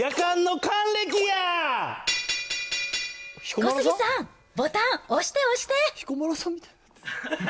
小杉さん、ボタン押して、押して。